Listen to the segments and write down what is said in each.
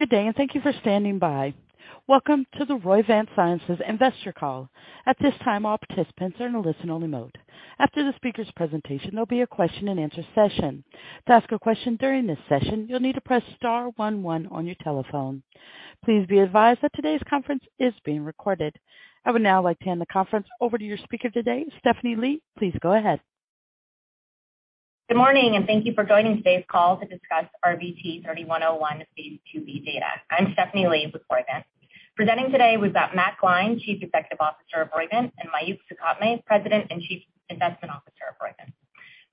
Good day, thank you for standing by. Welcome to the Roivant Sciences investor call. At this time, all participants are in a listen-only mode. After the speaker's presentation, there'll be a question and answer session. To ask a question during this session, you'll need to press star one one on your telephone. Please be advised that today's conference is being recorded. I would now like to hand the conference over to your speaker today, Stephanie Lee. Please go ahead. Good morning. Thank you for joining today's call to discuss RVT-3101 phase II-B data. I'm Stephanie Lee with Roivant. Presenting today, we've got Matt Gline, Chief Executive Officer of Roivant, and Mayukh Sukhatme, President and Chief Investment Officer of Roivant.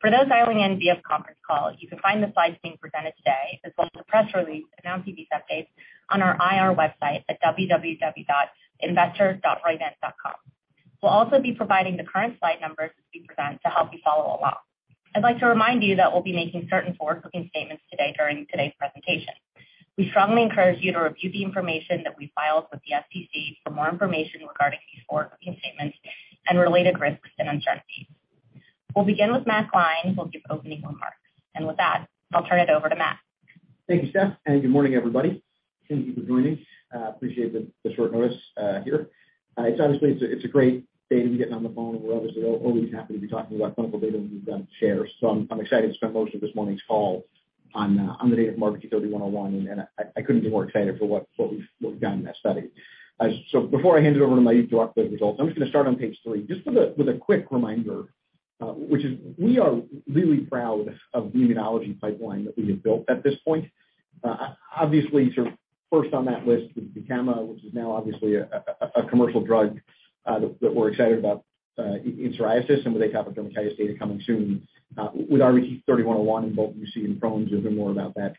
For those dialing in via conference call, you can find the slides being presented today, as well as the press release announcing these updates on our IR website at www.investor.roivant.com. We'll also be providing the current slide numbers as we present to help you follow along. I'd like to remind you that we'll be making certain forward-looking statements today during today's presentation. We strongly encourage you to review the information that we filed with the SEC for more information regarding these forward-looking statements and related risks and uncertainties. We'll begin with Matt Gline, who will give opening remarks. With that, I'll turn it over to Matt. Thank you, Steph, good morning, everybody. Thank you for joining. Appreciate the short notice here. It's obviously it's a great day to be getting on the phone, and we're obviously always happy to be talking about clinical data when we've got it to share. I'm excited to spend most of this morning's call on the data from RVT-3101, and I couldn't be more excited for what we've done in that study. Before I hand it over to Mayukh to walk through the results, I'm just gonna start on page 3, just with a quick reminder, which is we are really proud of the immunology pipeline that we have built at this point. obviously, sort of first on that list would be Daklinza, which is now obviously a commercial drug, that we're excited about, in psoriasis and with atopic dermatitis data coming soon, with RVT-3101 in both UC and Crohn's. You'll hear more about that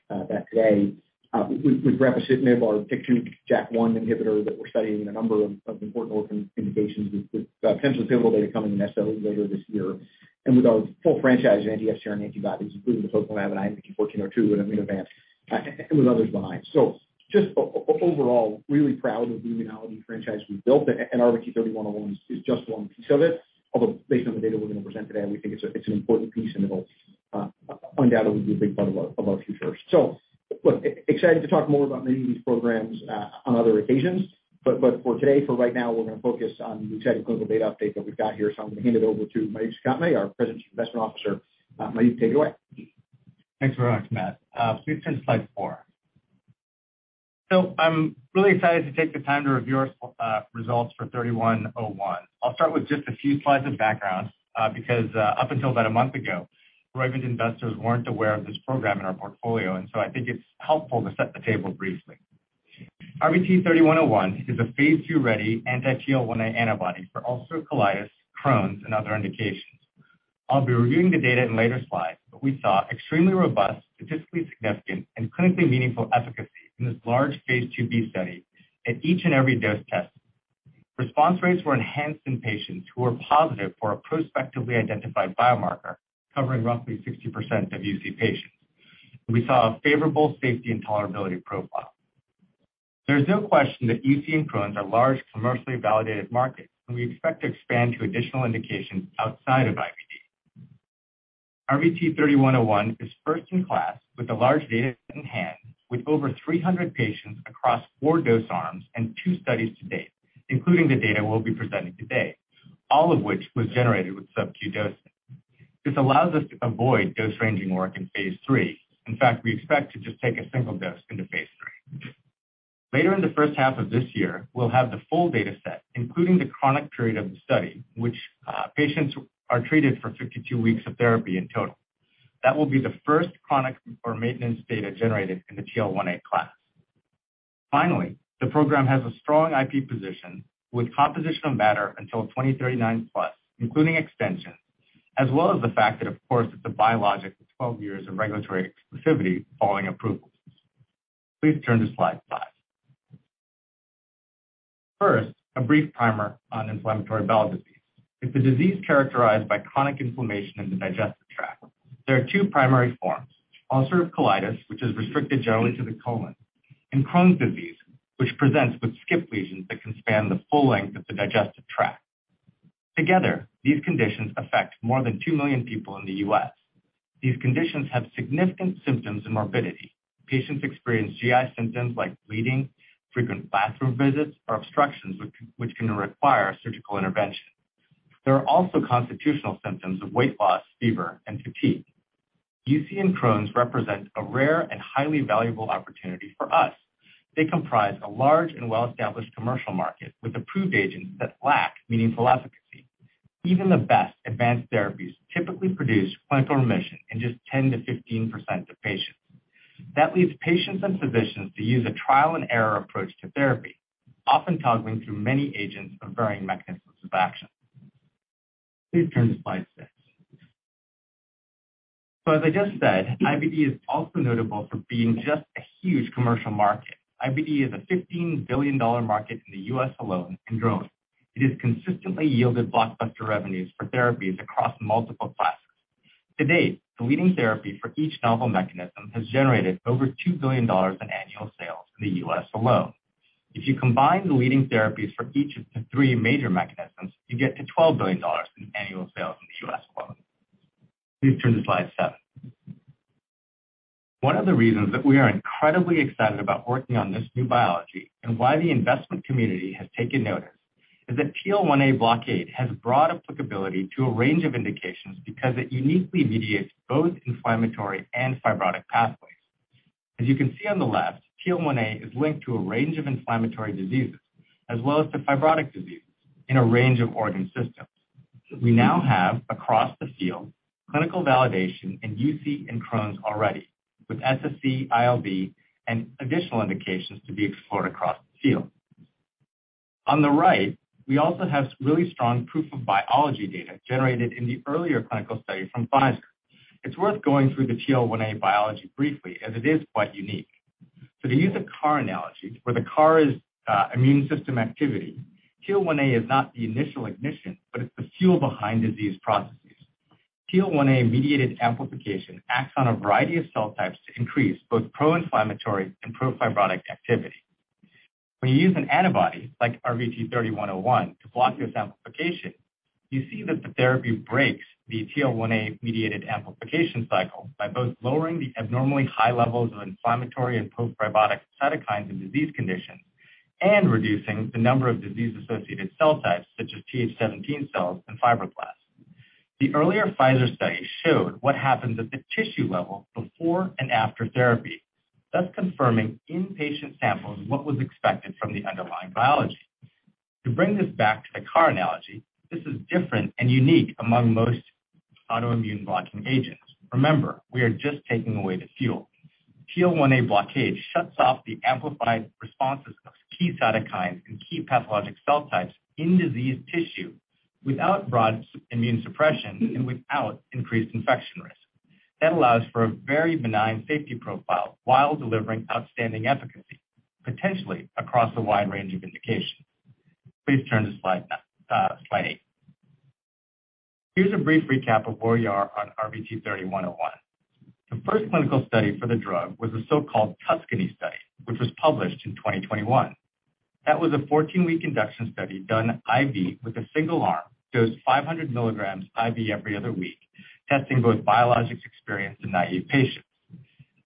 today. With brepocitinib, our Tyk2/JAK1 inhibitor that we're studying in a number of important orphan indications with potentially pivotal data coming in necessarily later this year. With our full franchise in anti-FcRn antibodies, including the batoclimab and IMVT-1402 in Immunovant, and with others behind. Just overall, really proud of the immunology franchise we've built, and RVT-3101 is just one piece of it, although based on the data we're gonna present today, we think it's an important piece, and it'll undoubtedly be a big part of our future. Look, excited to talk more about many of these programs on other occasions, but for today, for right now, we're gonna focus on the exciting clinical data update that we've got here. I'm gonna hand it over to Mayukh Sukhatme, our President and Investment Officer. Mayukh, take it away. Thanks very much, Matt. Please turn to slide 4. I'm really excited to take the time to review our results for 3101. I'll start with just a few slides of background because up until about a month ago, Roivant investors weren't aware of this program in our portfolio, I think it's helpful to set the table briefly. RVT-3101 is a phase II-ready anti-TL1A antibody for ulcerative colitis, Crohn's and other indications. I'll be reviewing the data in later slides, but we saw extremely robust, statistically significant, and clinically meaningful efficacy in this large phase II-B study at each and every dose test. Response rates were enhanced in patients who were positive for a prospectively identified biomarker, covering roughly 60% of UC patients. We saw a favorable safety and tolerability profile. There's no question that UC and Crohn's are large, commercially validated markets, and we expect to expand to additional indications outside of IBD. RVT-3101 is first in class with a large data set in hand with over 300 patients across four dose arms and two studies to date, including the data we'll be presenting today, all of which was generated with sub-Q dosing. This allows us to avoid dose-ranging work in phase III. In fact, we expect to just take a single dose into phase III. Later in the first half of this year, we'll have the full data set, including the chronic period of the study, which patients are treated for 52 weeks of therapy in total. That will be the first chronic or maintenance data generated in the TL1A class. Finally, the program has a strong IP position with composition of matter until 2039+, including extension, as well as the fact that, of course, it's a biologic with 12 years of regulatory exclusivity following approvals. Please turn to slide 5. First, a brief primer on inflammatory bowel disease. It's a disease characterized by chronic inflammation in the digestive tract. There are two primary forms, ulcerative colitis, which is restricted generally to the colon, and Crohn's disease, which presents with skip lesions that can span the full length of the digestive tract. Together, these conditions affect more than 2 million people in the U.S.. These conditions have significant symptoms and morbidity. Patients experience GI symptoms like bleeding, frequent bathroom visits, or obstructions which can require surgical intervention. There are also constitutional symptoms of weight loss, fever, and fatigue. UC and Crohn's represent a rare and highly valuable opportunity for us. They comprise a large and well-established commercial market with approved agents that lack meaningful efficacy. Even the best advanced therapies typically produce clinical remission in just 10% to 15% of patients. That leads patients and physicians to use a trial-and-error approach to therapy, often toggling through many agents of varying mechanisms of action. Please turn to slide 6. As I just said, IBD is also notable for being just a huge commercial market. IBD is a $15 billion market in the U.S. alone and growing. It has consistently yielded blockbuster revenues for therapies across multiple classes. To date, the leading therapy for each novel mechanism has generated over $2 billion in annual sales in the U.S. alone. If you combine the leading therapies for each of the three major mechanisms, you get to $12 billion in annual sales in the U.S. alone. Please turn to slide 7. One of the reasons that we are incredibly excited about working on this new biology and why the investment community has taken notice is that TL1A blockade has broad applicability to a range of indications because it uniquely mediates both inflammatory and fibrotic pathways. As you can see on the left, TL1A is linked to a range of inflammatory diseases as well as to fibrotic diseases in a range of organ systems. We now have, across the field, clinical validation in UC and Crohn's already, with PSC, IBD and additional indications to be explored across the field. On the right, we also have really strong proof of biology data generated in the earlier clinical study from Pfizer. It's worth going through the TL1A biology briefly, as it is quite unique. To use a car analogy, where the car is immune system activity, TL1A is not the initial ignition, but it's the fuel behind disease processes. TL1A-mediated amplification acts on a variety of cell types to increase both pro-inflammatory and pro-fibrotic activity. When you use an antibody, like RVT-3101, to block this amplification, you see that the therapy breaks the TL1A-mediated amplification cycle by both lowering the abnormally high levels of inflammatory and pro-fibrotic cytokines in disease conditions and reducing the number of disease-associated cell types such as Th17 cells and fibroblasts. The earlier Pfizer study showed what happens at the tissue level before and after therapy, thus confirming in patient samples what was expected from the underlying biology. To bring this back to the car analogy, this is different and unique among most autoimmune blocking agents. Remember, we are just taking away the fuel. TL1A blockade shuts off the amplified responses of key cytokines and key pathologic cell types in diseased tissue without broad immune suppression and without increased infection risk. That allows for a very benign safety profile while delivering outstanding efficacy, potentially across a wide range of indications. Please turn to slide 8. Here's a brief recap of where we are on RVT-3101. The first clinical study for the drug was a so-called TUSCANY study, which was published in 2021. That was a 14-week induction study done IV with a single arm, dosed 500 milligrams IV every other week, testing both biologics-experienced and naive patients.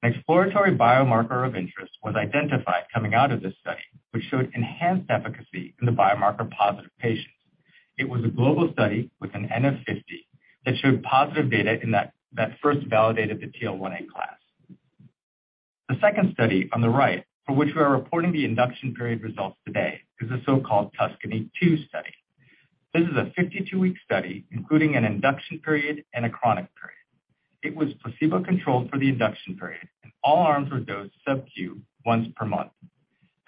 An exploratory biomarker of interest was identified coming out of this study, which showed enhanced efficacy in the biomarker-positive patients. It was a global study with an NF 50 that showed positive data in that first validated the TL1A class. The second study on the right, for which we are reporting the induction period results today, is a so-called TUSCANY-2 study. This is a 52-week study, including an induction period and a chronic period. It was placebo-controlled for the induction period, and all arms were dosed sub-Q once per month.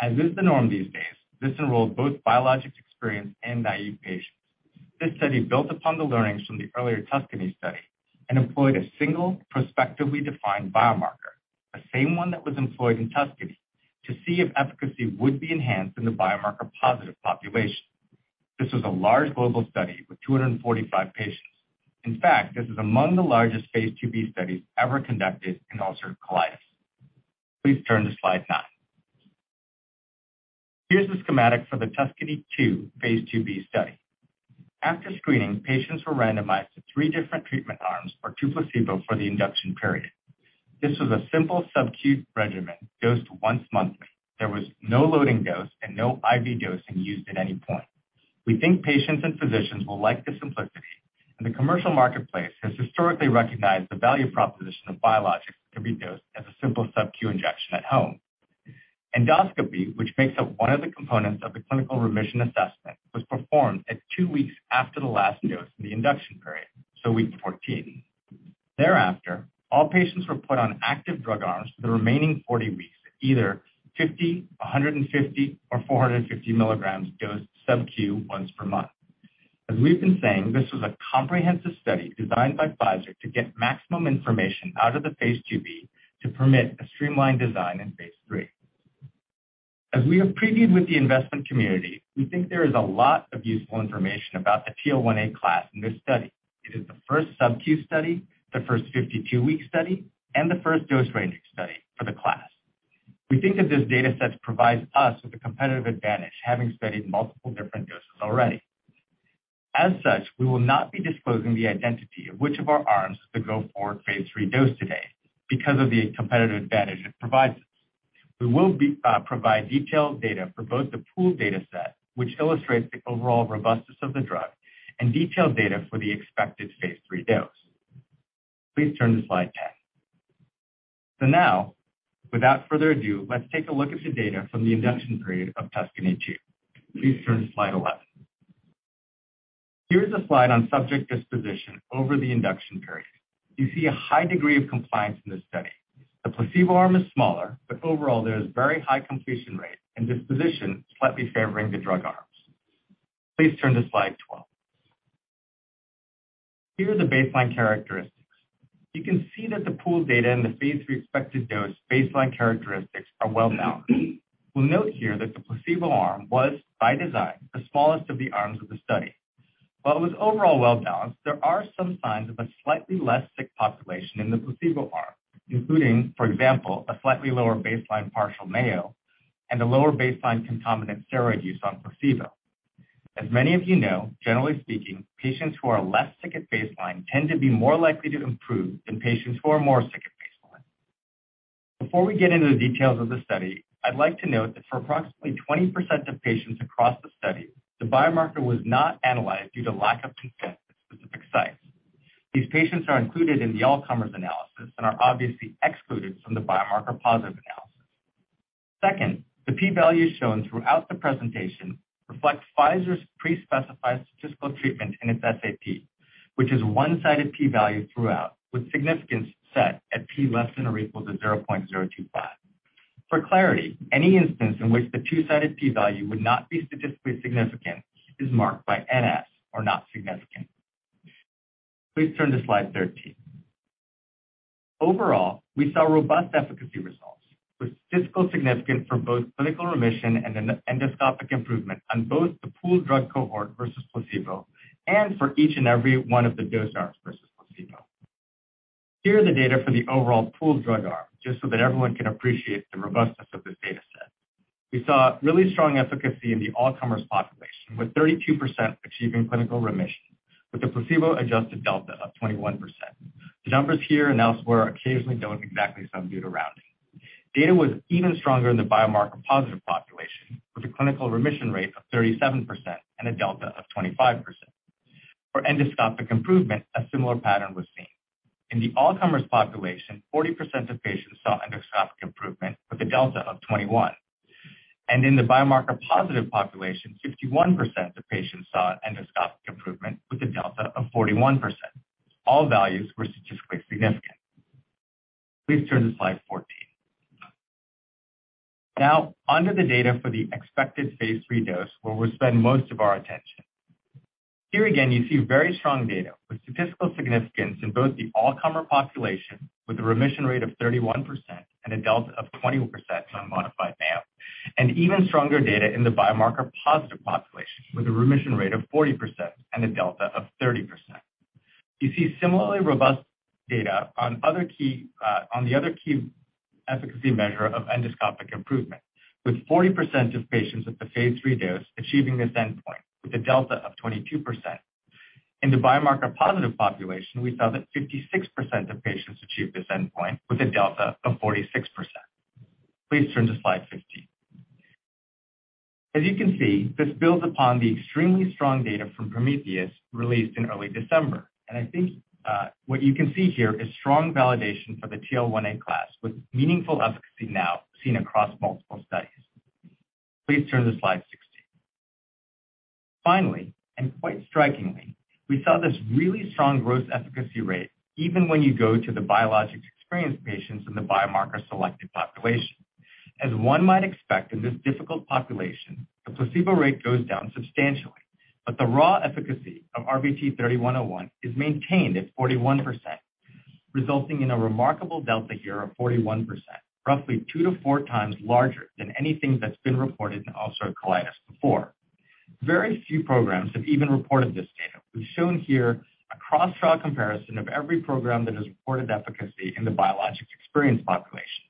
As is the norm these days, this enrolled both biologics-experienced and naive patients. This study built upon the learnings from the earlier TUSCANY study and employed a single prospectively defined biomarker, the same one that was employed in TUSCANY, to see if efficacy would be enhanced in the biomarker-positive population. This was a large global study with 245 patients. In fact, this is among the largest phase II-B studies ever conducted in ulcerative colitis. Please turn to slide 9. Here's the schematic for the TUSCANY-2 phase II-B study. After screening, patients were randomized to three different treatment arms or two placebo for the induction period. This was a simple sub-Q regimen dosed once monthly. There was no loading dose and no IV dosing used at any point. We think patients and physicians will like the simplicity, and the commercial marketplace has historically recognized the value proposition of biologics that can be dosed as a simple sub-Q injection at home. Endoscopy, which makes up one of the components of the clinical remission assessment, was performed at two weeks after the last dose in the induction period, so week 14. Thereafter, all patients were put on active drug arms for the remaining 40 weeks at either 50, 150, or 450 milligrams dosed sub-Q once per month. As we've been saying, this was a comprehensive study designed by Pfizer to get maximum information out of the phase II-B to permit a streamlined design in phase III. As we have previewed with the investment community, we think there is a lot of useful information about the TL1A class in this study. It is the first sub-Q study, the first 52-week study, and the first dose ranging study for the class. We think that this data set provides us with a competitive advantage, having studied multiple different doses already. As such, we will not be disclosing the identity of which of our arms is the go-forward phase III dose today because of the competitive advantage it provides us. We will be provide detailed data for both the pool data set, which illustrates the overall robustness of the drug, and detailed data for the expected phase III dose. Please turn to slide 10. Now, without further ado, let's take a look at the data from the induction period of TUSCANY-2. Please turn to slide 11. Here's a slide on subject disposition over the induction period. You see a high degree of compliance in this study. The placebo arm is smaller, but overall there is very high completion rate and disposition slightly favoring the drug arms. Please turn to slide 12. Here are the baseline characteristics. You can see that the pool data and the phase III expected dose baseline characteristics are well-balanced. We'll note here that the placebo arm was, by design, the smallest of the arms of the study. While it was overall well-balanced, there are some signs of a slightly less sick population in the placebo arm, including, for example, a slightly lower baseline Partial Mayo and a lower baseline concomitant steroid use on placebo. As many of you know, generally speaking, patients who are less sick at baseline tend to be more likely to improve than patients who are more sick at baseline. Before we get into the details of the study, I'd like to note that for approximately 20% of patients across the study, the biomarker was not analyzed due to lack of consent at specific sites. These patients are included in the all-comers analysis and are obviously excluded from the biomarker-positive analysis. Second, the P-value shown throughout the presentation reflects Pfizer's pre-specified statistical treatment in its SAP, which is one-sided P-value throughout, with significance set at P less than or equal to 0.025. For clarity, any instance in which the two-sided P-value would not be statistically significant is marked by NS or not significant. Please turn to slide 13. We saw robust efficacy results with statistical significance for both clinical remission and an endoscopic improvement on both the pooled drug cohort versus placebo, and for each and every one of the dose arms versus placebo. Here are the data for the overall pooled drug arm, just so that everyone can appreciate the robustness of this data set. We saw really strong efficacy in the all-comers population, with 32% achieving clinical remission with a placebo-adjusted delta of 21%. The numbers here and elsewhere occasionally don't exactly sum due to rounding. Data was even stronger in the biomarker-positive population, with a clinical remission rate of 37% and a delta of 25%. For endoscopic improvement, a similar pattern was seen. In the all-comers population, 40% of patients saw endoscopic improvement with a delta of 21%, and in the biomarker-positive population, 51% of patients saw endoscopic improvement with a delta of 41%. All values were statistically significant. Please turn to slide 14. On to the data for the expected phase III dose where we'll spend most of our attention. Here again, you see very strong data with statistical significance in both the all-comer population, with a remission rate of 31% and a delta of 20% on Modified Mayo. Even stronger data in the biomarker-positive population, with a remission rate of 40% and a delta of 30%. You see similarly robust data on other key, on the other key efficacy measure of endoscopic improvement. With 40% of patients at the phase III dose achieving this endpoint with a delta of 22%. In the biomarker-positive population, we saw that 56% of patients achieve this endpoint with a delta of 46%. Please turn to slide 15. As you can see, this builds upon the extremely strong data from Prometheus released in early December. I think what you can see here is strong validation for the TL1A class with meaningful efficacy now seen across multiple studies. Please turn to slide 16. Finally, and quite strikingly, we saw this really strong growth efficacy rate even when you go to the biologics-experienced patients in the biomarker selected population. As one might expect in this difficult population, the placebo rate goes down substantially, but the raw efficacy of RVT-3101 is maintained at 41%, resulting in a remarkable delta here of 41%, roughly two to four times larger than anything that's been reported in ulcerative colitis before. Very few programs have even reported this data. We've shown here a cross-trial comparison of every program that has reported efficacy in the biologics-experience population.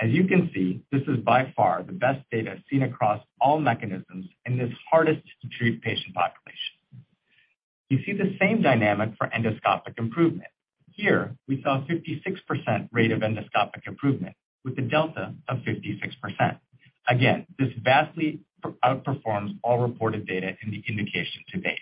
As you can see, this is by far the best data seen across all mechanisms in this hardest to treat patient population. You see the same dynamic for endoscopic improvement. Here, we saw a 56% rate of endoscopic improvement with a delta of 56%. Again, this vastly outperforms all reported data in the indication to date.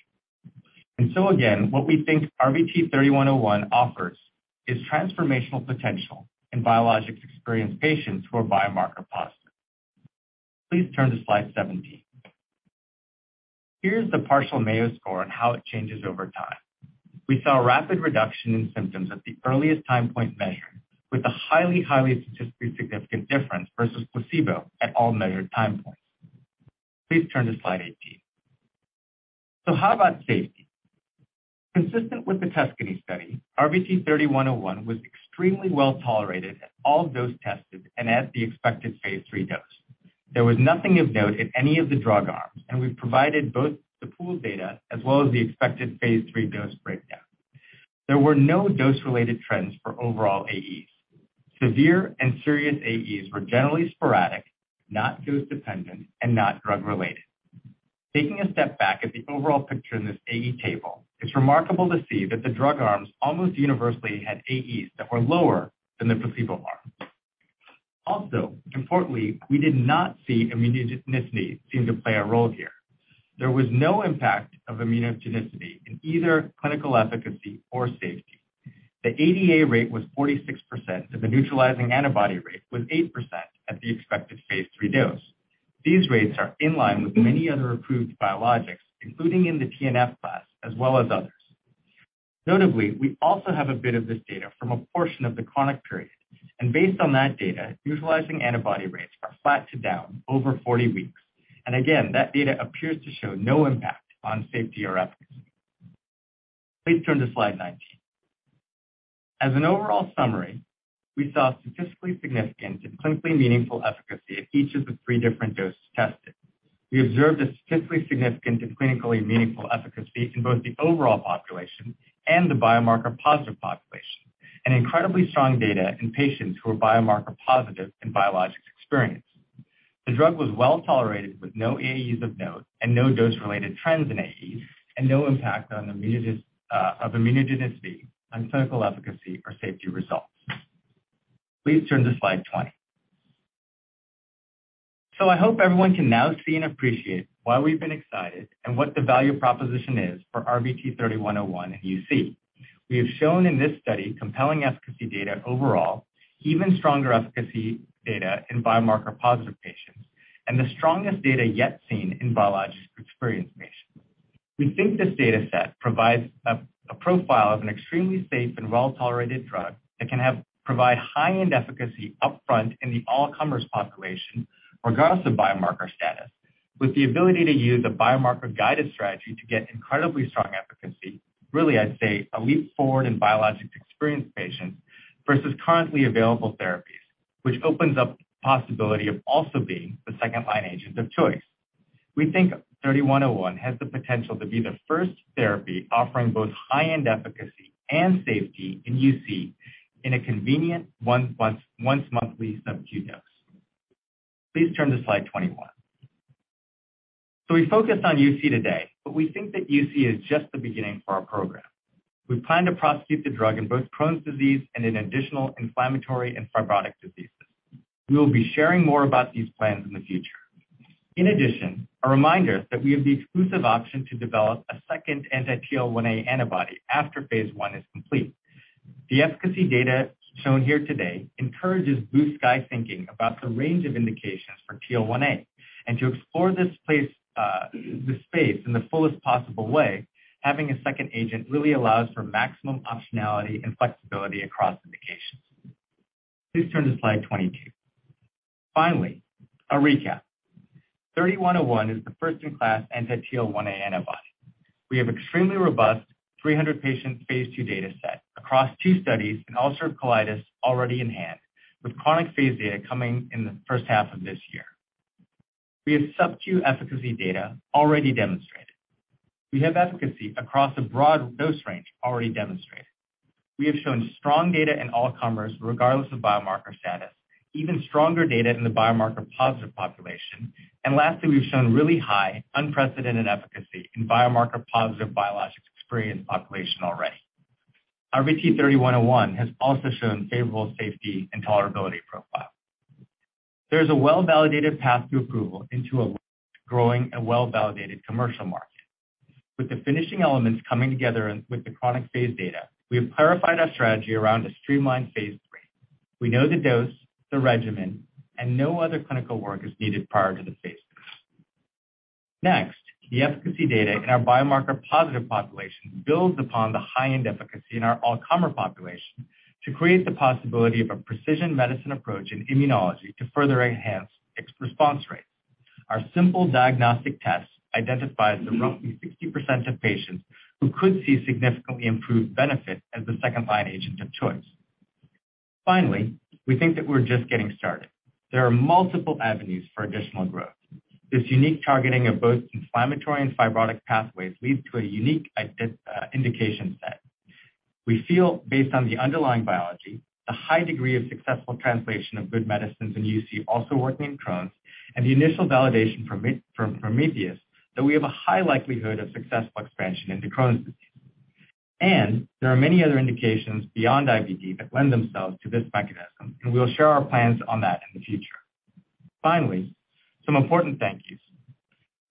Again, what we think RVT-3101 offers is transformational potential in biologics-experienced patients who are biomarker-positive. Please turn to slide 17. Here's the Partial Mayo Score and how it changes over time. We saw rapid reduction in symptoms at the earliest time point measured, with a highly statistically significant difference versus placebo at all measured time points. Please turn to slide 18. How about safety? Consistent with the TUSCANY Study, RVT-3101 was extremely well-tolerated at all dose tested and at the expected phase III dose. There was nothing of note in any of the drug arms, and we've provided both the pooled data as well as the expected phase III dose breakdown. There were no dose-related trends for overall AEs. Severe and serious AEs were generally sporadic, not dose-dependent, and not drug-related. Taking a step back at the overall picture in this AE table, it's remarkable to see that the drug arms almost universally had AEs that were lower than the placebo arm. Importantly, we did not see immunogenicity seem to play a role here. There was no impact of immunogenicity in either clinical efficacy or safety. The ADA rate was 46%, and the neutralizing antibody rate was 8% at the expected phase III dose. These rates are in line with many other approved biologics, including in the TNF class as well as others. Notably, we also have a bit of this data from a portion of the chronic period, based on that data, neutralizing antibody rates are flat to down over 40 weeks. Again, that data appears to show no impact on safety or efficacy. Please turn to slide 19. As an overall summary, we saw statistically significant and clinically meaningful efficacy at each of the three different doses tested. We observed a statistically significant and clinically meaningful efficacy in both the overall population and the biomarker-positive population. Incredibly strong data in patients who are biomarker-positive in biologics-experience. The drug was well tolerated with no AEs of note and no dose-related trends in AEs and no impact of immunogenicity on clinical efficacy or safety results. Please turn to slide 20. I hope everyone can now see and appreciate why we've been excited and what the value proposition is for RVT-3101 in UC. We have shown in this study compelling efficacy data overall, even stronger efficacy data in biomarker-positive patients, and the strongest data yet seen in biologics-experienced patients. We think this data set provides a profile of an extremely safe and well-tolerated drug that can provide high-end efficacy upfront in the all-comers population regardless of biomarker status, with the ability to use a biomarker-guided strategy to get incredibly strong efficacy. Really, I'd say a leap forward in biologics-experienced patients versus currently available therapies, which opens up the possibility of also being the second line agent of choice. We think RVT-3101 has the potential to be the first therapy offering both high-end efficacy and safety in UC in a convenient once-monthly sub-Q dose. Please turn to slide 21. We focused on UC today, but we think that UC is just the beginning for our program. We plan to prosecute the drug in both Crohn's disease and in additional inflammatory and fibrotic diseases. We will be sharing more about these plans in the future. In addition, a reminder that we have the exclusive option to develop a second anti-TL1A antibody after phase I is complete. The efficacy data shown here today encourages blue sky thinking about the range of indications for TL1A. To explore this space in the fullest possible way, having a second agent really allows for maximum optionality and flexibility across indications. Please turn to slide 22. Finally, a recap. 3101 is the first-in-class anti-TL1A antibody. We have extremely robust 300 patient phase II data set across two studies in ulcerative colitis already in hand, with chronic phase data coming in the first half of this year. We have sub-Q efficacy data already demonstrated. We have efficacy across a broad dose range already demonstrated. We have shown strong data in all-comers regardless of biomarker status, even stronger data in the biomarker-positive population. Lastly, we've shown really high unprecedented efficacy in biomarker-positive biologics-experienced population already. RVT-3101 has also shown favorable safety and tolerability profile. There's a well-validated path to approval into a growing and well-validated commercial market. With the finishing elements coming together and with the chronic phase data, we have clarified our strategy around a streamlined phase III. We know the dose, the regimen, and no other clinical work is needed prior to the phase III. Next, the efficacy data in our biomarker-positive population builds upon the high-end efficacy in our all-comer population to create the possibility of a precision medicine approach in immunology to further enhance its response rates. Our simple diagnostic test identifies the roughly 60% of patients who could see significantly improved benefit as the second line agent of choice. We think that we're just getting started. There are multiple avenues for additional growth. This unique targeting of both inflammatory and fibrotic pathways leads to a unique indication set. We feel based on the underlying biology, the high degree of successful translation of good medicines in UC also work in Crohn's, and the initial validation from Prometheus that we have a high likelihood of successful expansion into Crohn's disease. There are many other indications beyond IBD that lend themselves to this mechanism, and we'll share our plans on that in the future. Finally, some important thank yous.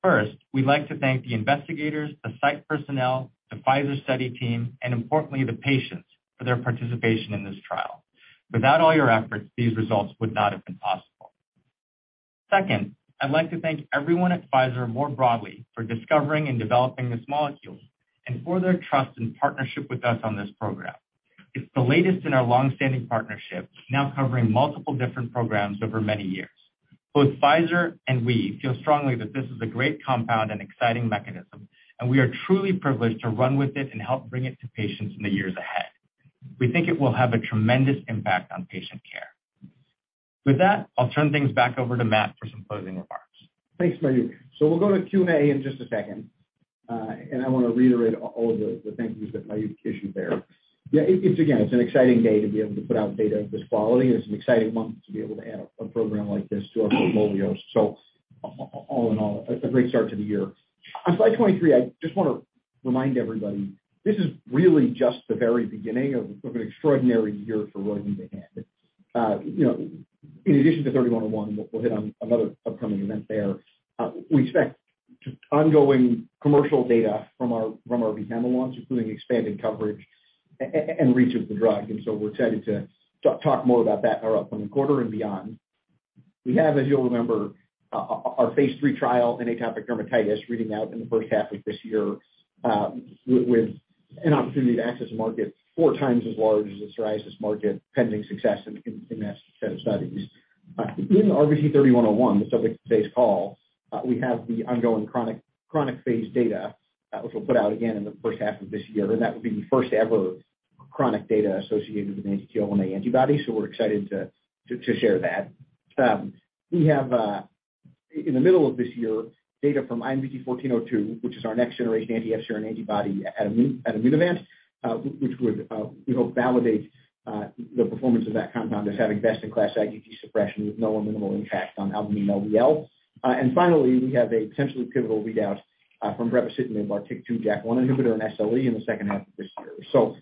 First, we'd like to thank the investigators, the site personnel, the Pfizer study team, and importantly, the patients for their participation in this trial. Without all your efforts, these results would not have been possible. Second, I'd like to thank everyone at Pfizer more broadly for discovering and developing this molecule and for their trust and partnership with us on this program. It's the latest in our long-standing partnership, now covering multiple different programs over many years. Both Pfizer and we feel strongly that this is a great compound and exciting mechanism, and we are truly privileged to run with it and help bring it to patients in the years ahead. We think it will have a tremendous impact on patient care. With that, I'll turn things back over to Matt for some closing remarks. Thanks, Mayukh. We'll go to Q&A in just a second. I wanna reiterate all of the thank yous that Mayukh issued there. Yeah, it's again, it's an exciting day to be able to put out data of this quality, and it's an exciting month to be able to add a program like this to our portfolio. All in all, a great start to the year. On slide 23, I just wanna remind everybody, this is really just the very beginning of an extraordinary year for Roivant ahead. You know, in addition to 3101, we'll hit on another upcoming event there. We expect ongoing commercial data from our Vyepti launch, including expanded coverage and reach of the drug. We're excited to talk more about that in our upcoming quarter and beyond. We have, as you'll remember, our phase III trial in atopic dermatitis reading out in the first half of this year, with an opportunity to access a market four times as large as the psoriasis market pending success in that set of studies. In RVT-3101, the subject of today's call, we have the ongoing chronic phase data, which we'll put out again in the first half of this year. That would be the first ever chronic data associated with an anti-TL1A antibody, so we're excited to share that. In the middle of this year, data from IMVT-1402, which is our next-generation anti-FcRn antibody at Immunovant, which we hope validates the performance of that compound as having best in class IgG suppression with no or minimal impact on albumin LDL. Finally, we have a potentially pivotal readout from brepocitinib, our TYK2/JAK1 inhibitor in SLE in the second half of this year.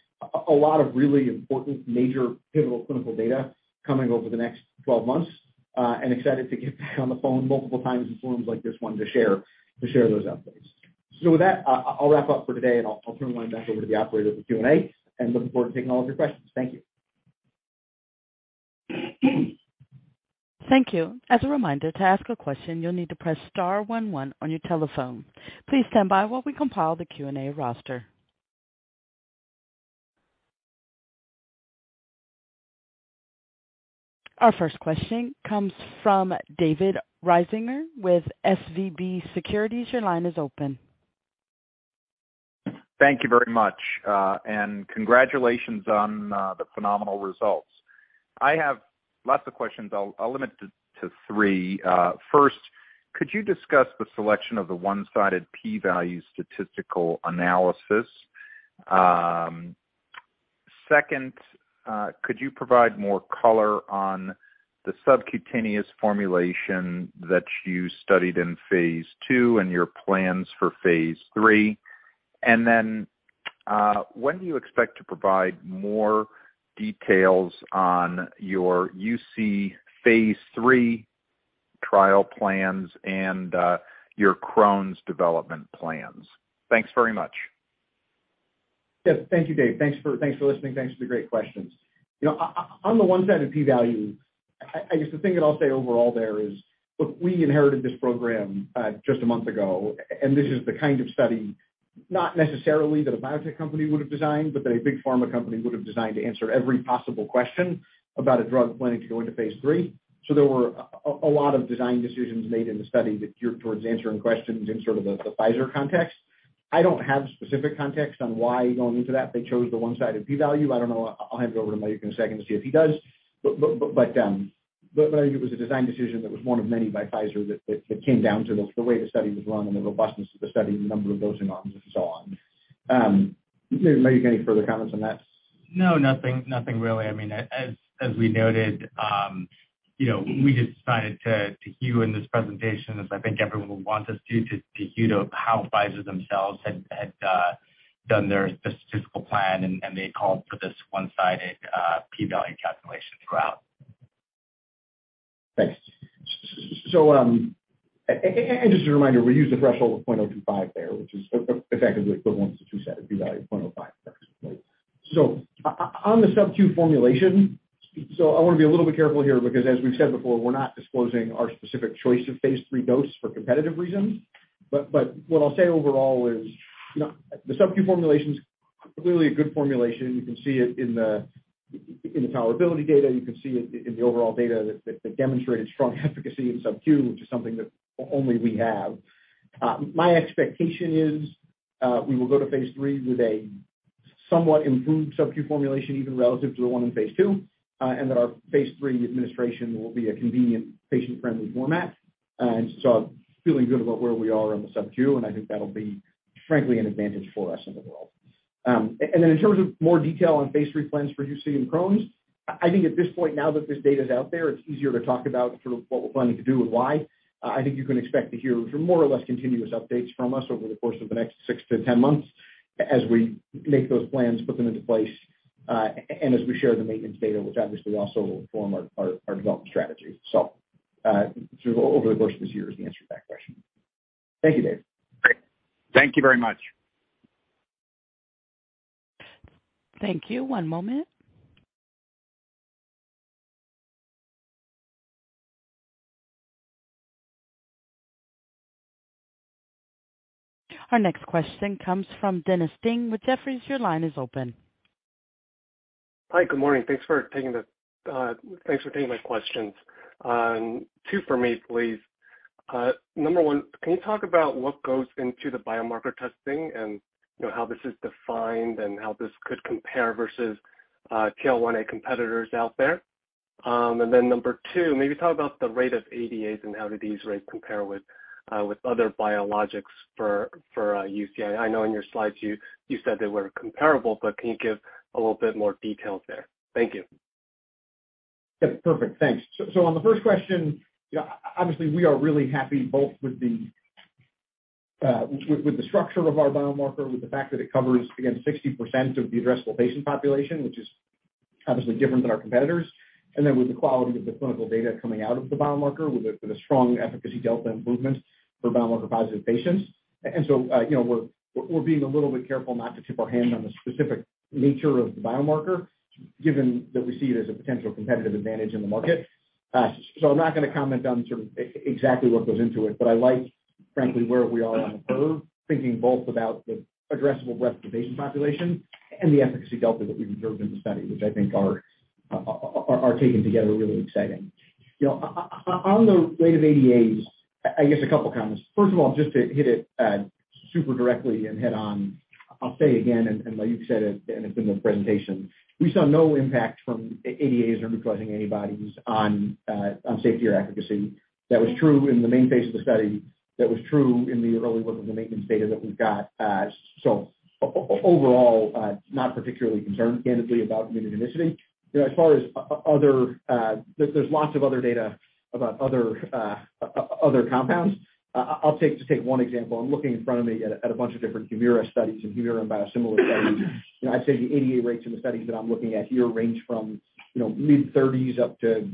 A lot of really important major pivotal clinical data coming over the next 12 months, and excited to get back on the phone multiple times in forums like this one to share those updates. With that, I'll wrap up for today and I'll turn the line back over to the operator for Q&A, and looking forward to taking all of your questions. Thank you. Thank you. As a reminder, to ask a question, you'll need to press star one one on your telephone. Please stand by while we compile the Q&A roster. Our first question comes from David Risinger with SVB Securities. Your line is open. Thank you very much, and congratulations on the phenomenal results. I have lots of questions. I'll limit it to three. First, could you discuss the selection of the one-sided P-value statistical analysis? Second, could you provide more color on the subcutaneous formulation that you studied in phase II and your plans for phase III? When do you expect to provide more details on your UC phase III trial plans and your Crohn's development plans? Thanks very much. Yes. Thank you, Dave. Thanks for listening. Thanks for the great questions. You know, on the one-sided P-value, I guess the thing that I'll say overall there is, look, we inherited this program just one month ago, and this is the kind of study, not necessarily that a biotech company would have designed, but that a big pharma company would have designed to answer every possible question about a drug planning to go into phase III. There were a lot of design decisions made in the study that geared towards answering questions in sort of a, the Pfizer context. I don't have specific context on why going into that they chose the one-sided P-value. I don't know. I'll hand it over to Mayukh in a second to see if he does. I think it was a design decision that was one of many by Pfizer that came down to the way the study was run and the robustness of the study, the number of dosing arms and so on. Mayukh, any further comments on that? No, nothing really. I mean, as we noted, you know, we just decided to hew in this presentation, as I think everyone would want us to hew to how Pfizer themselves had done their statistical plan, and they called for this one-sided P-value calculation throughout. Thanks. Just a reminder, we use the threshold of 0.025 there, which is effective equivalent to two-sided P-value 0.05. On the sub-Q formulation, I wanna be a little bit careful here because as we've said before, we're not disclosing our specific choice of phase III dose for competitive reasons. What I'll say overall is, you know, the sub-Q formulation is clearly a good formulation. You can see it in the tolerability data. You can see it in the overall data that demonstrated strong efficacy in sub-Q, which is something that only we have. My expectation is, we will go to phase III with a somewhat improved sub-Q formulation, even relative to the one in phase II, and that our phase III administration will be a convenient patient friendly format. Feeling good about where we are on the sub-Q, and I think that'll be, frankly, an advantage for us in the world. Then in terms of more detail on phase III plans for UC and Crohn's, I think at this point now that this data is out there, it's easier to talk about sort of what we're planning to do and why. I think you can expect to hear more or less continuous updates from us over the course of the next six-10 months as we make those plans, put them into place, and as we share the maintenance data, which obviously also will inform our, our development strategy. Over the course of this year is the answer to that question. Thank you, Dave. Great. Thank you very much. Thank you. One moment. Our next question comes from Dennis Ding with Jefferies. Your line is open. Hi. Good morning. Thanks for taking my questions. two for me, please. Number one, can you talk about what goes into the biomarker testing and, you know, how this is defined and how this could compare versus TL1A competitors out there? Number two, maybe talk about the rate of ADAs and how did these rates compare with other biologics for UC. I know in your slides you said they were comparable, but can you give a little bit more details there? Thank you. Yeah, perfect. Thanks. On the first question, you know, obviously we are really happy both with the structure of our biomarker, with the fact that it covers, again, 60% of the addressable patient population, which is obviously different than our competitors. With the quality of the clinical data coming out of the biomarker with a strong efficacy delta improvement for biomarker-positive patients. You know, we're being a little bit careful not to tip our hand on the specific nature of the biomarker given that we see it as a potential competitive advantage in the market. I'm not gonna comment on sort of exactly what goes into it, but I like frankly where we are on the curve, thinking both about the addressable breadth of patient population and the efficacy delta that we've observed in the study, which I think are taken together really exciting. You know, on the rate of ADAs, I guess a couple comments. First of all, just to hit it super directly and head on. I'll say again, and Mayukh said it, and it's in the presentation, we saw no impact from ADAs or neutralizing antibodies on safety or efficacy. That was true in the main phase of the study. That was true in the early look of the maintenance data that we've got. Overall, not particularly concerned candidly about immunogenicity. You know, as far as other, there's lots of other data about other compounds. I'll take, just take one example. I'm looking in front of me at a, at a bunch of different Humira studies and Humira biosimilar studies. You know, I'd say the ADA rates in the studies that I'm looking at here range from, you know, mid 30s up to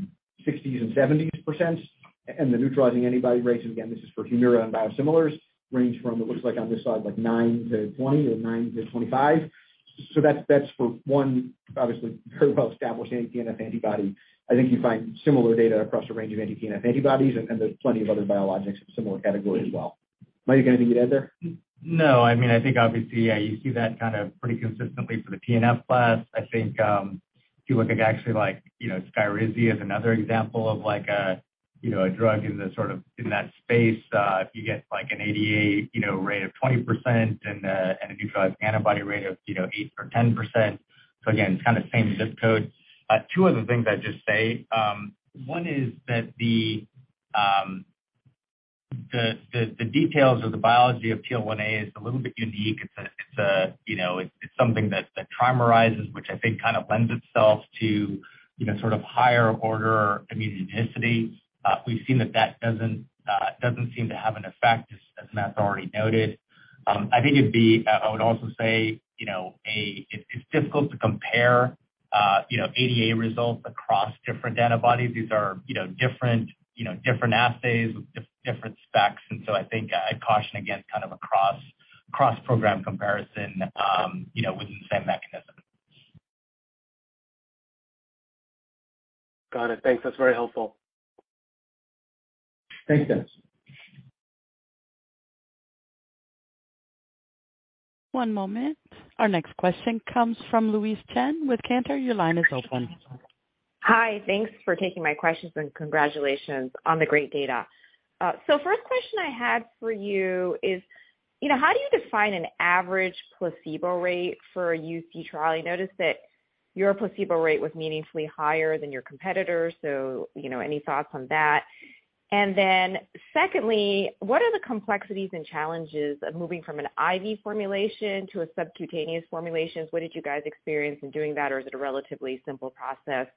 60s and 70s%. The neutralizing antibody rates, again, this is for Humira and biosimilars, range from, it looks like on this side, like 9-20% or 9-25%. That's, that's for one obviously very well established anti-TNF antibody. I think you find similar data across a range of anti-TNF antibodies and there's plenty of other biologics in similar category as well. Mayukh, anything you can add there? I mean, I think obviously, yeah, you see that kind of pretty consistently for the TNF class. I think, if you look at actually like, you know, Skyrizi as another example of like a, you know, a drug in the sort of, in that space, if you get like an ADA, you know, rate of 20% and a, and a neutralizing antibody rate of, you know, 8% or 10%. Again, kind of same ZIP code. Two other things I'd just say. One is that the details of the biology of TL1A is a little bit unique. It's a, it's a, you know, it's something that trimerizes, which I think kind of lends itself to, you know, sort of higher order immunogenicity. We've seen that that doesn't seem to have an effect as Matt's already noted. I think it'd be, I would also say, you know, it's difficult to compare, you know, ADA results across different antibodies. These are, you know, different, you know, different assays with different specs. I think I'd caution against kind of a cross program comparison, you know, within the same mechanism. Got it. Thanks. That's very helpful. Thanks, Dennis. One moment. Our next question comes from Louise Chen with Cantor. Your line is open. Hi. Thanks for taking my questions and congratulations on the great data. First question I had for you is, you know, how do you define an average placebo rate for a UC trial? I noticed that your placebo rate was meaningfully higher than your competitors, so, you know, any thoughts on that? Secondly, what are the complexities and challenges of moving from an IV formulation to a subcutaneous formulations? What did you guys experience in doing that, or is it a relatively simple process?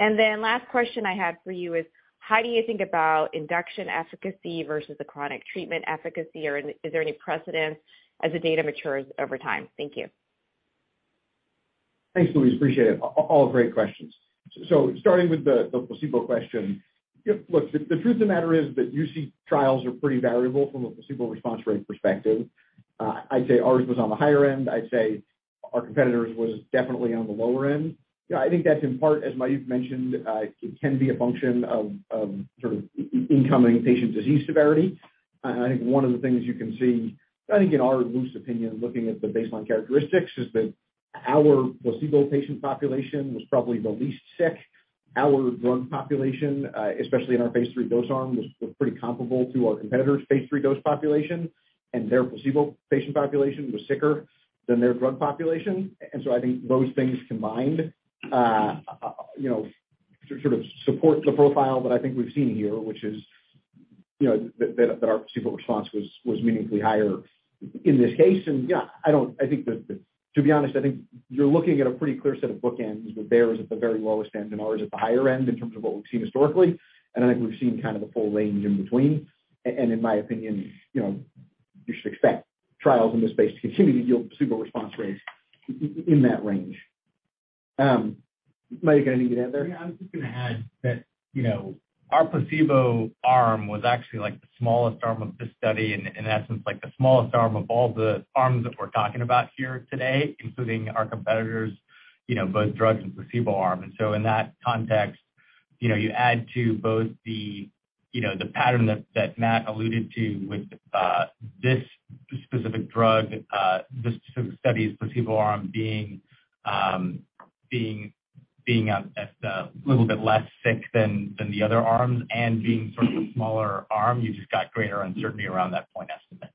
Last question I had for you is how do you think about induction efficacy versus the chronic treatment efficacy? Is there any precedence as the data matures over time? Thank you. Thanks, Louise. Appreciate it. All great questions. Starting with the placebo question. Look, the truth of the matter is that UC trials are pretty variable from a placebo response rate perspective. I'd say ours was on the higher end. I'd say our competitor's was definitely on the lower end. Yeah, I think that's in part, as Mayukh mentioned, it can be a function of sort of incoming patient disease severity. I think one of the things you can see, I think in our loose opinion, looking at the baseline characteristics, is that our placebo patient population was probably the least sick. Our drug population, especially in our phase III dose arm, was pretty comparable to our competitor's phase III dose population, and their placebo patient population was sicker than their drug population. I think those things combined, you know, sort of support the profile that I think we've seen here, which is, you know, that our placebo response was meaningfully higher in this case. Yeah, I don't. I think the to be honest, I think you're looking at a pretty clear set of bookends, with theirs at the very lowest end and ours at the higher end in terms of what we've seen historically. I think we've seen kind of the full range in between. In my opinion, you know, you should expect trials in this space to continue to yield placebo response rates in that range. Mayukh, anything to add there? Yeah. I'm just gonna add that, you know, our placebo arm was actually like the smallest arm of this study and in that sense, like the smallest arm of all the arms that we're talking about here today, including our competitors, you know, both drugs and placebo arm. In that context, you know, you add to both the, you know, the pattern that Matt alluded to with this specific drug, this specific study's placebo arm being a little bit less sick than the other arms and being sort of a smaller arm, you've just got greater uncertainty around that point estimate.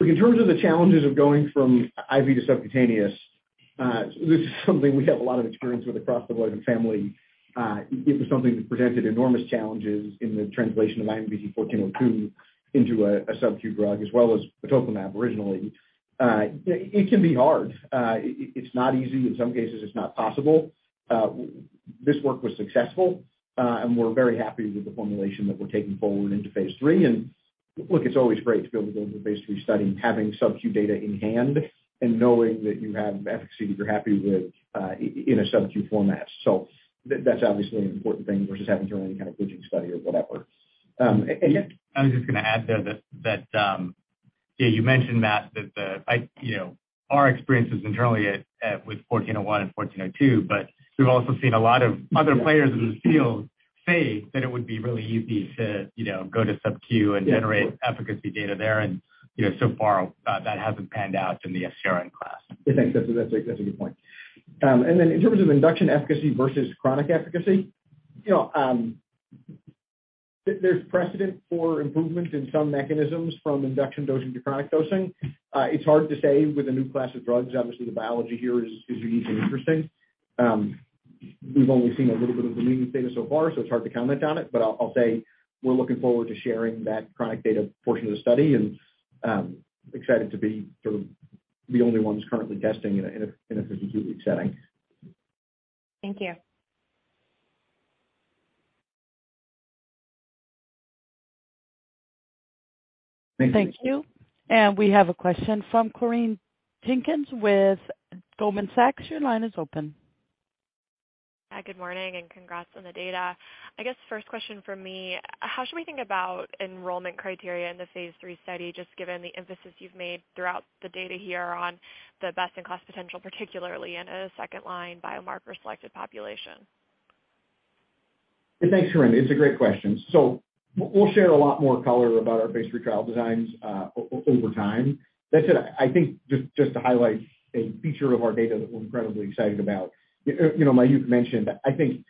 Look, in terms of the challenges of going from IV to subcutaneous, this is something we have a lot of experience with across the Vant family. It was something that presented enormous challenges in the translation of IMVT-1402 into a sub-Q drug as well as batoclimab originally. It can be hard. It's not easy. In some cases it's not possible. This work was successful, and we're very happy with the formulation that we're taking forward into phase III. Look, it's always great to be able to go into a phase III study having sub-Q data in hand and knowing that you have efficacy that you're happy with, in a sub-Q format. That's obviously an important thing versus having to run any kind of bridging study or whatever. Yeah. I was just gonna add there that, yeah, you mentioned, Matt, that, you know, our experience is internally at with IMVT-1401 and IMVT-1402, but we've also seen a lot of other players in this field say that it would be really easy to, you know, go to sub-Q and generate efficacy data there. You know, so far, that hasn't panned out in the FcRn class. Yeah. Thanks. That's a good point. In terms of induction efficacy versus chronic efficacy, you know, there's precedent for improvement in some mechanisms from induction dosing to chronic dosing. It's hard to say with a new class of drugs. Obviously, the biology here is unique and interesting. We've only seen a little bit of the leading data so far, so it's hard to comment on it. I'll say we're looking forward to sharing that chronic data portion of the study and excited to be sort of the only ones currently testing in a 52-week setting. Thank you. Thank you. Thank you. We have a question from Corinne Jenkins with Goldman Sachs. Your line is open. Hi, good morning, and congrats on the data. First question from me, how should we think about enrollment criteria in the phase III study, just given the emphasis you've made throughout the data here on the best-in-class potential, particularly in a second-line biomarker-selected population? Yeah. Thanks, Corinne. We'll share a lot more color about our phase III trial designs over time. That said, I think just to highlight a feature of our data that we're incredibly excited about, you know, Mayukh mentioned, I think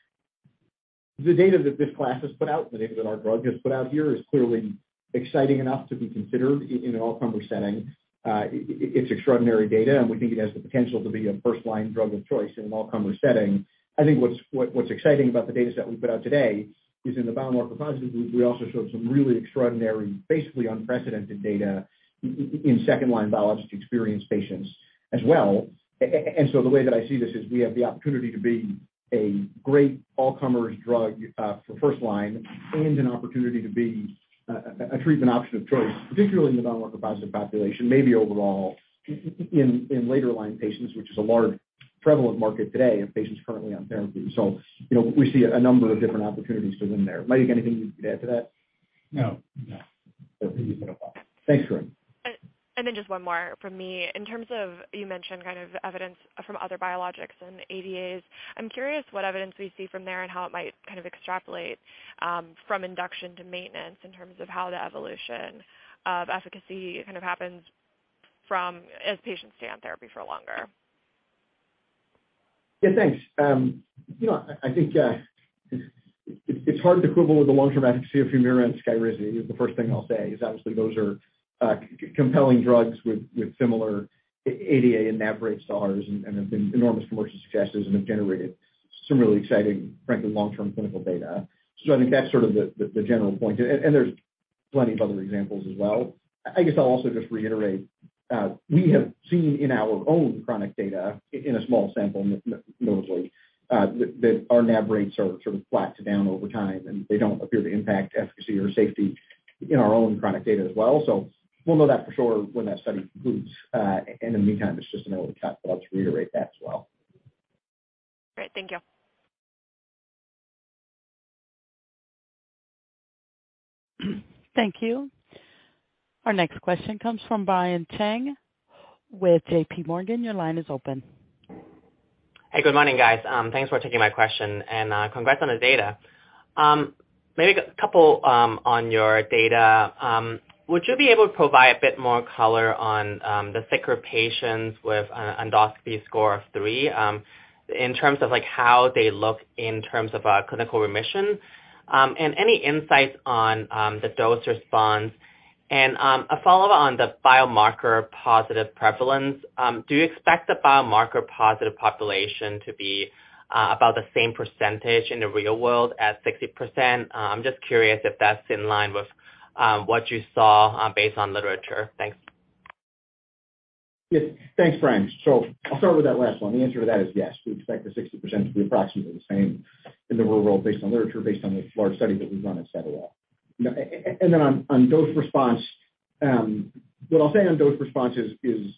the data that this class has put out and the data that our drug has put out here is clearly exciting enough to be considered in an all-comer setting. It's extraordinary data, and we think it has the potential to be a first-line drug of choice in an all-comer setting. I think what's exciting about the dataset we put out today is in the biomarker-positive group, we also showed some really extraordinary, basically unprecedented data in second-line biologics-experienced patients as well. The way that I see this is we have the opportunity to be a great all-comers drug for first line and an opportunity to be a treatment option of choice, particularly in the biomarker-positive population, maybe overall in later line patients, which is a large prevalent market today of patients currently on therapy. You know, we see a number of different opportunities to win there. Mayukh, anything you'd add to that? No. No. I think you said it well. Thanks, Corinne. Just one more from me. In terms of you mentioned kind of evidence from other biologics and ADAs, I'm curious what evidence we see from there and how it might kind of extrapolate from induction to maintenance in terms of how the evolution of efficacy kind of happens as patients stay on therapy for longer? Yeah, thanks. You know, I think it's hard to quibble with the long-term efficacy of Humira and Skyrizi is the first thing I'll say is obviously those are compelling drugs with similar ADA and NAB rates to ours and have been enormous commercial successes and have generated some really exciting, frankly, long-term clinical data. I think that's sort of the general point. There's plenty of other examples as well. I guess I'll also just reiterate, we have seen in our own chronic data in a small sample, mostly, that our NAB rates are sort of flat to down over time, and they don't appear to impact efficacy or safety in our own chronic data as well. We'll know that for sure when that study concludes. In the meantime, it's just an early cut, but I'll just reiterate that as well. Great. Thank you. Thank you. Our next question comes from Brian Cheng with JP Morgan. Your line is open. Hey, good morning, guys. Thanks for taking my question, and congrats on the data. Maybe a couple on your data. Would you be able to provide a bit more color on the sicker patients with an endoscopy score of 3, in terms of, like, how they look in terms of a clinical remission, and any insights on the dose response? A follow-up on the biomarker-positive prevalence. Do you expect the biomarker-positive population to be about the same percentage in the real world as 60%? I'm just curious if that's in line with what you saw based on literature. Thanks. Yes. Thanks, Brian. I'll start with that last one. The answer to that is yes. We expect the 60% to be approximately the same in the real world based on literature, based on the large study that we've done at CDL. You know, and then on dose response, what I'll say on dose response is,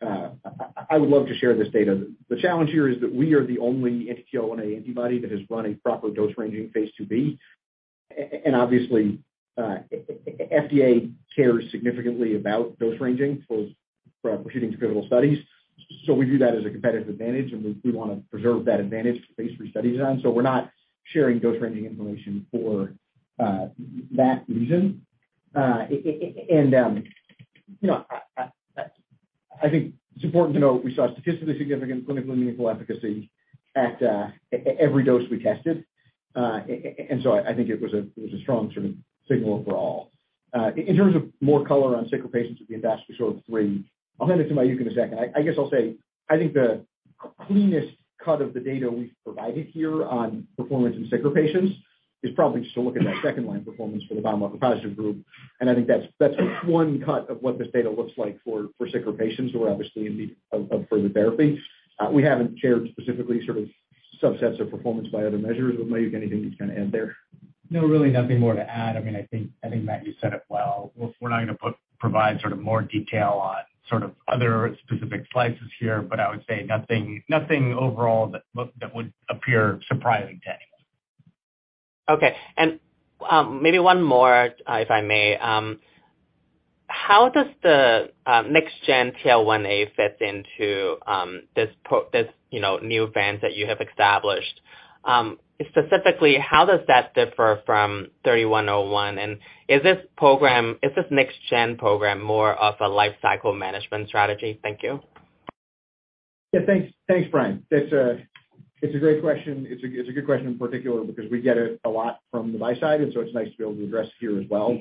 I would love to share this data. The challenge here is that we are the only anti-TL1A antibody that has run a proper dose ranging phase II-B. And obviously, FDA cares significantly about dose ranging, both for proceeding to critical studies. We view that as a competitive advantage, and we wanna preserve that advantage for phase III study design. We're not sharing dose ranging information for that reason. You know, I think it's important to note we saw statistically significant clinical meaningful efficacy at every dose we tested. I think it was a, it was a strong sort of signal overall. In terms of more color on sicker patients with the endoscopy score of 3, I'll hand it to Mayukh in a second. I guess I'll say I think the cleanest cut of the data we've provided here on performance in sicker patients is probably just to look at that second-line performance for the biomarker-positive group, and I think that's one cut of what this data looks like for sicker patients who are obviously in need of further therapy. We haven't shared specifically sort of subsets of performance by other measures. Mayukh, anything you kind of add there? No, really nothing more to add. I mean, I think, Matt, you said it well. We're not gonna provide sort of more detail on sort of other specific slices here, but I would say nothing overall that would appear surprising to any. Okay. Maybe one more, if I may. How does the next-gen TL1A fit into this, you know, new Vant that you have established? Specifically, how does that differ from 3101, and is this next-gen program more of a lifecycle management strategy? Thank you. Yeah. Thanks. Thanks, Brian. It's a great question. It's a good question in particular because we get it a lot from the buy side, it's nice to be able to address it here as well.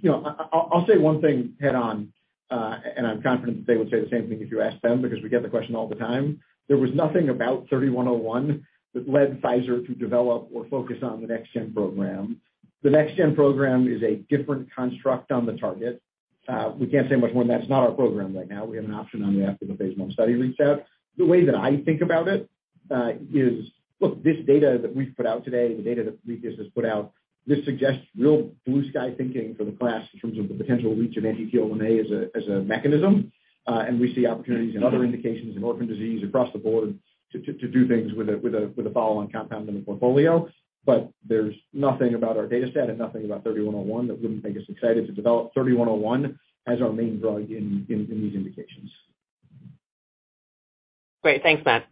You know, I'll say one thing head on, I'm confident that they would say the same thing if you ask them because we get the question all the time. There was nothing about 3101 that led Pfizer to develop or focus on the next-gen program. The next-gen program is a different construct on the target. We can't say much more than that. It's not our program right now. We have an option on the after the phase I study reached out. The way that I think about it, is look, this data that we've put out today and the data that Regulus has put out, this suggests real blue sky thinking for the class in terms of the potential reach of anti-TL1A as a mechanism. We see opportunities in other indications, in orphan disease across the board to do things with a follow-on compound in the portfolio. There's nothing about our data set and nothing about 3101 that wouldn't make us excited to develop 3101 as our main drug in these indications. Great. Thanks, Matt.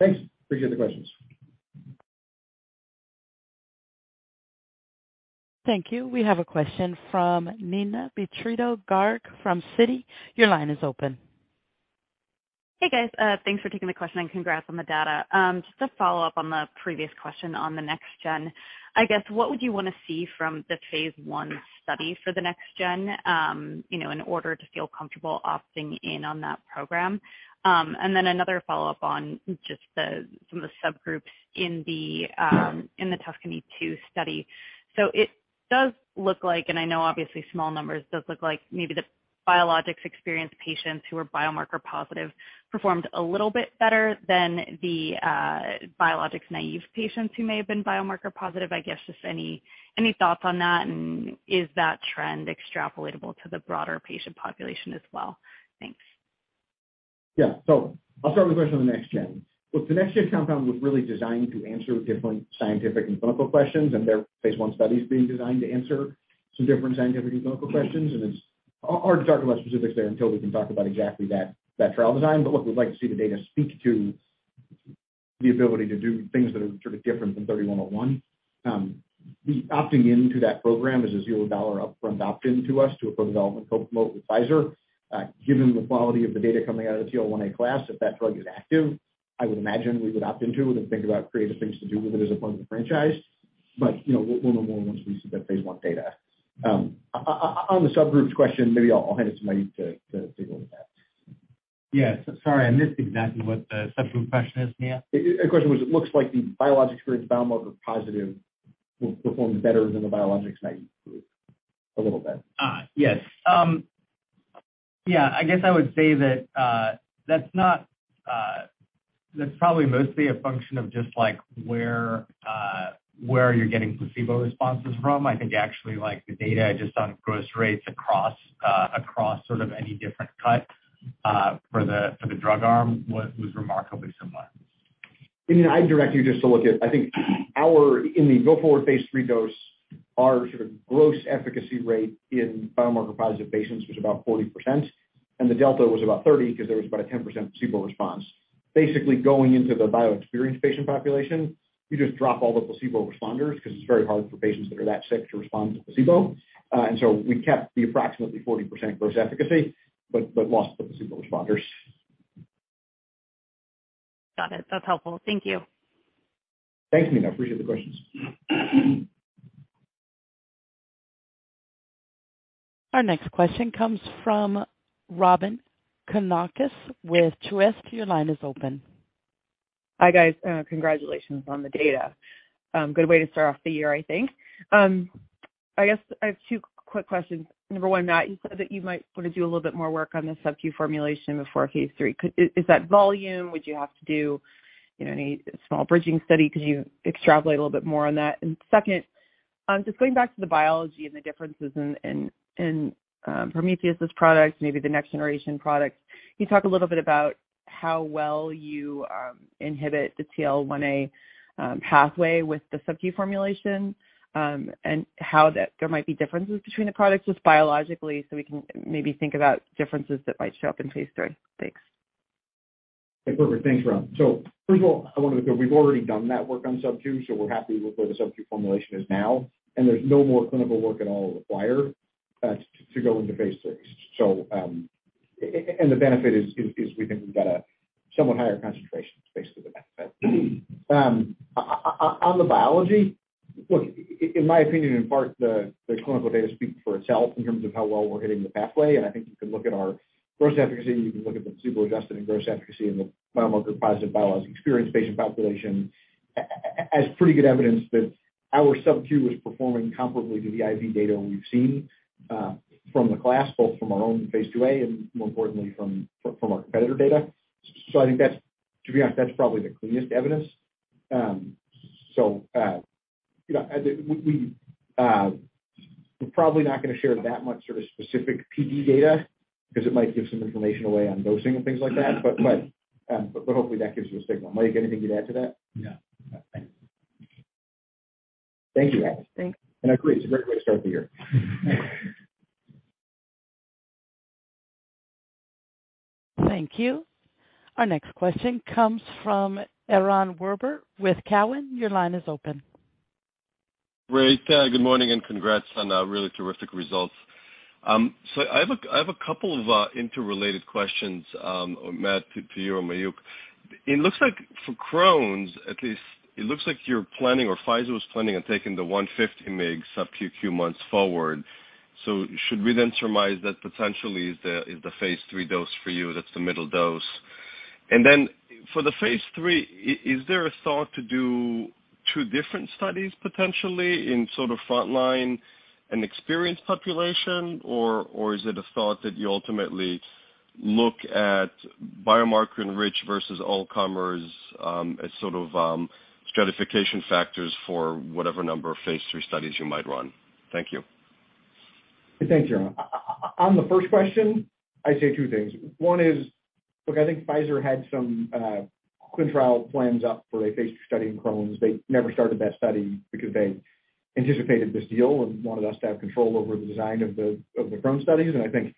Thanks. Appreciate the questions. Thank you. We have a question from Yaron Werber from Citi. Your line is open. Hey, guys. Thanks for taking the question, and congrats on the data. Just to follow up on the previous question on the next-gen, I guess, what would you wanna see from the phase I study for the next-gen, you know, in order to feel comfortable opting in on that program? Another follow-up on just the, some of the subgroups in the TUSCANY-2 study. It does look like, and I know obviously small numbers, does look like maybe the biologics-experienced patients who are biomarker-positive performed a little bit better than the biologics naive patients who may have been biomarker-positive. I guess just any thoughts on that, and is that trend extrapolatable to the broader patient population as well? Thanks. I'll start with the question on the next-gen. Look, the next-gen compound was really designed to answer different scientific and clinical questions, their phase I study is being designed to answer some different scientific and clinical questions. It's hard to talk about specifics there until we can talk about exactly that trial design. Look, we'd like to see the data speak to the ability to do things that are sort of different from 3101. The opting into that program is a $0 upfront option to us to a co-development, co-promote with Pfizer. Given the quality of the data coming out of the TL1A class, if that drug is active, I would imagine we would opt into it and think about creative things to do with it as a part of the franchise. You know, we'll know more once we see that phase I data. on the subgroups question, maybe I'll hand it to Mayukh to take a look at that. Yeah. Sorry, I missed exactly what the subgroup question is, Nina. The question was, it looks like the biologics-experienced biomarker-positive performed better than the biologics naive group a little bit. Yes. Yeah. I guess I would say that that's not. That's probably mostly a function of just, like, where you're getting placebo responses from. I think actually, like, the data just on gross rates across sort of any different cut for the drug arm was remarkably similar. I'd direct you just to look at, I think in the go forward phase III dose, our sort of gross efficacy rate in biomarker-positive patients was about 40%, and the delta was about 30% 'cause there was about a 10% placebo response. Basically, going into the bio-experienced patient population, we just drop all the placebo responders 'cause it's very hard for patients that are that sick to respond to placebo. And so we kept the approximately 40% gross efficacy, but lost the placebo responders. Got it. That's helpful. Thank you. Thanks, Nina. Appreciate the questions. Our next question comes from Robyn Karnauskas with Truist. Your line is open. Hi, guys. Congratulations on the data. Good way to start off the year, I think. I guess I have two quick questions. Number 1, Matt, you said that you might want to do a little bit more work on the sub-Q formulation before phase III. Is that volume? Would you have to do, you know, any small bridging study? Could you extrapolate a little bit more on that? Second, just going back to the biology and the differences in, in Prometheus' products, maybe the next-generation products. Can you talk a little bit about how well you inhibit the TL1A pathway with the sub-Q formulation, and how that there might be differences between the products just biologically so we can maybe think about differences that might show up in phase III? Thanks. Yeah. Perfect. Thanks, Robyn. First of all, we've already done that work on sub-Q, we're happy with where the sub-Q formulation is now, and there's no more clinical work at all required to go into phase III. And the benefit is, we think we've got a somewhat higher concentration basically than that. On the biology, look, in my opinion, in part the clinical data speaks for itself in terms of how well we're hitting the pathway, and I think you can look at our gross efficacy, you can look at the super adjusted and gross efficacy in the biomarker-positive biologics-experienced patient population as pretty good evidence that our sub-Q is performing comparably to the IV data we've seen from the class, both from our own phase II-A and more importantly from our competitor data. I think that's to be honest, that's probably the cleanest evidence. You know, we're probably not gonna share that much sort of specific PD data because it might give some information away on dosing and things like that. Hopefully that gives you a signal. Mike, anything you'd add to that? No. No. Thanks. Thank you, Robyn. Thanks. I agree, it's a great way to start the year. Thank you. Our next question comes from Aaron Weber with Cowen. Your line is open. Great. Good morning and congrats on really terrific results. I have a couple of interrelated questions, Matt, to you or Mayukh Sukhatme. It looks like for Crohn's at least, it looks like you're planning or Pfizer was planning on taking the 150 mg sub-Q months forward. Should we then surmise that potentially is the phase III dose for you, that's the middle dose? For the phase III, is there a thought to do two different studies potentially in sort of frontline and experienced population? Or is it a thought that you ultimately look at biomarker enrich versus all-comers as sort of stratification factors for whatever number of phase III studies you might run? Thank you. Thanks, Jerome. On the first question, I'd say two things. One is, look, I think Pfizer had some clinical trial plans up for a phase II study in Crohn's. They never started that study because they anticipated this deal and wanted us to have control over the design of the Crohn's studies. I think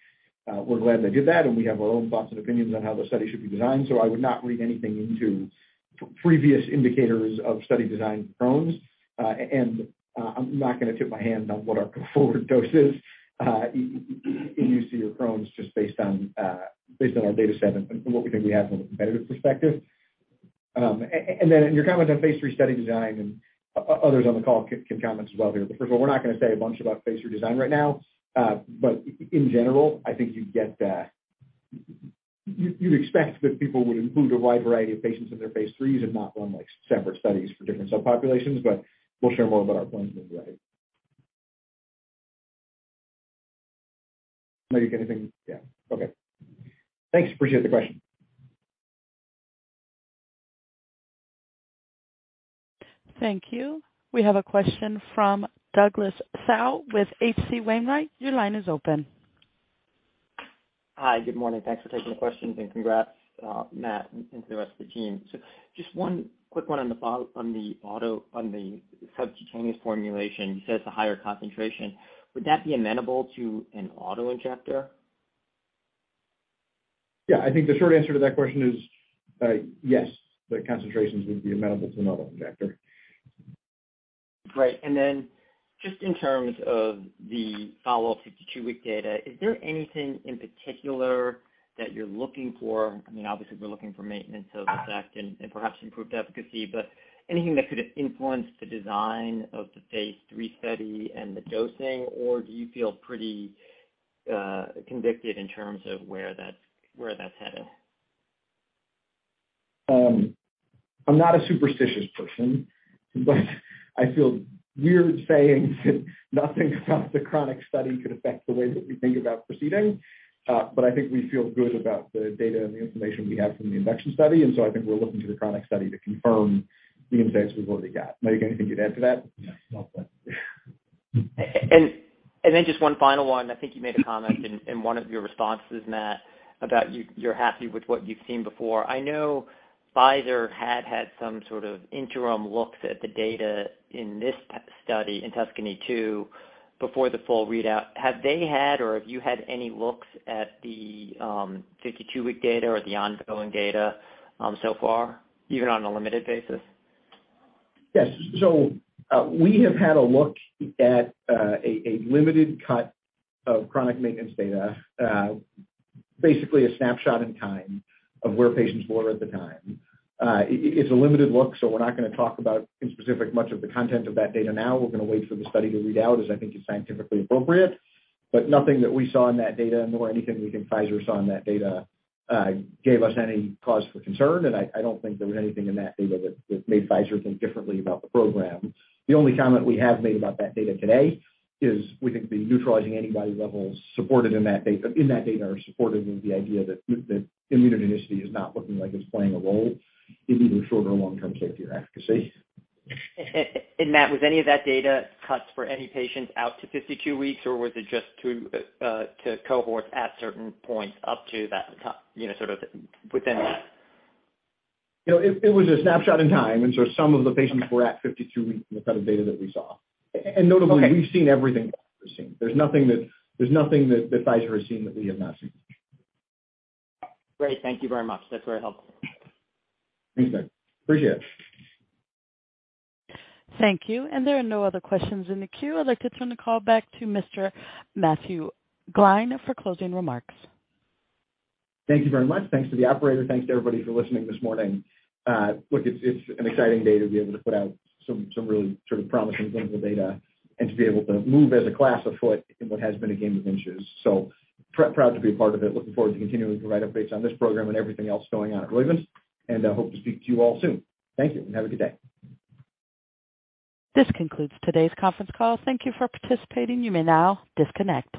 we're glad they did that, and we have our own thoughts and opinions on how the study should be designed. I would not read anything into previous indicators of study design for Crohn's. I'm not gonna tip my hand on what our go forward dose is in UC or Crohn's just based on our data set and what we think we have from a competitive perspective. And then in your comment on phase III study design, and others on the call can comment as well here. First of all, we're not gonna say a bunch about phase III design right now. In general, I think you'd get that. You'd expect that people would include a wide variety of patients in their phase IIIs and not run like separate studies for different subpopulations, but we'll share more about our plans when we're ready. Mayukh, anything? Yeah. Okay. Thanks. Appreciate the question. Thank you. We have a question from Douglas Tsao with H.C. Wainwright & Co. Your line is open. Hi. Good morning. Thanks for taking the question, and congrats, Matt, and to the rest of the team. Just one quick one on the subcutaneous formulation. You said it's a higher concentration. Would that be amenable to an auto-injector? I think the short answer to that question is, yes, the concentrations would be amenable to an auto-injector. Great. Just in terms of the follow-up 52-week data, is there anything in particular that you're looking for? I mean, obviously, we're looking for maintenance of effect and perhaps improved efficacy, but anything that could have influenced the design of the phase III study and the dosing, or do you feel pretty convicted in terms of where that's headed? I'm not a superstitious person, but I feel weird saying that nothing about the chronic study could affect the way that we think about proceeding. I think we feel good about the data and the information we have from the infection study, and so I think we're looking to the chronic study to confirm the insights we've already got. Mayukh, anything you'd add to that? No. Just one final one. I think you made a comment in one of your responses, Matt, about you're happy with what you've seen before. I know Pfizer had some sort of interim looks at the data in this study, in TUSCANY-2, before the full readout. Have they had or have you had any looks at the 52-week data or the ongoing data so far, even on a limited basis? Yes. We have had a look at a limited cut of chronic maintenance data, basically a snapshot in time of where patients were at the time. It's a limited look, so we're not gonna talk about in specific much of the content of that data now. We're gonna wait for the study to read out, as I think is scientifically appropriate. Nothing that we saw in that data, nor anything we think Pfizer saw in that data, gave us any cause for concern. I don't think there was anything in that data that made Pfizer think differently about the program. The only comment we have made about that data today is we think the neutralizing antibody levels supported in that data are supportive of the idea that immunogenicity is not looking like it's playing a role in either short or long-term safety or efficacy. Matt, was any of that data cuts for any patients out to 52 weeks, or was it just to cohorts at certain points up to that cut, you know, sort of within that? You know, it was a snapshot in time, and so some of the patients were at 52 weeks in the set of data that we saw. Okay. Notably, we've seen everything that they've seen. There's nothing that Pfizer has seen that we have not seen. Great. Thank you very much. That's very helpful. Thanks, Doug. Appreciate it. Thank you. There are no other questions in the queue. I'd like to turn the call back to Mr. Matthew Gline for closing remarks. Thank you very much. Thanks to the operator. Thanks to everybody for listening this morning. look, it's an exciting day to be able to put out some really sort of promising clinical data and to be able to move as a class afoot in what has been a game of inches. Proud to be a part of it. Looking forward to continuing to provide updates on this program and everything else going on at Roivant. Hope to speak to you all soon. Thank you, have a good day. This concludes today's conference call. Thank you for participating. You may now disconnect.